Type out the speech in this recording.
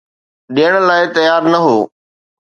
ڏيڻ لاءِ تيار نه هو.